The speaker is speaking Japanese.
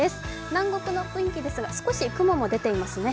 南国の雰囲気ですが、少し雲も出ていますね。